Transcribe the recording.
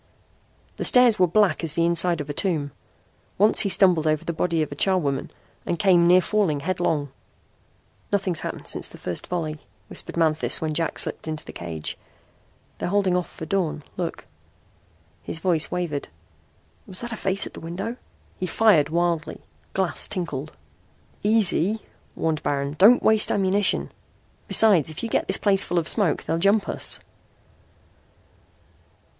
The stairs were black as the inside of a tomb. Once he stumbled over the body of a charwoman and came near falling headlong. "Nothing's happened since that first volley," whispered Manthis when Jack slipped into the cage. "They're holding off for dawn. Look!" his voice wavered. "Was that a face at the window?" He fired wildly. Glass tinkled. "Easy," warned Baron. "Don't waste ammunition. Besides, if you get this place full of smoke they'll jump us."